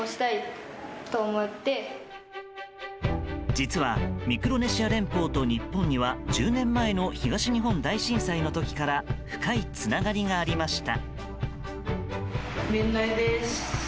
実はミクロネシア連邦と日本には１０年前の東日本大震災の時から深いつながりがありました。